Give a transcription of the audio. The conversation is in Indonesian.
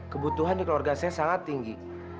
kebutuhan di keluarga saya sangat tinggi